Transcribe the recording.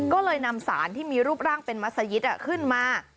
ก็เลยนำสารที่มีรูปร่างเป็นมัศยิตขึ้นมา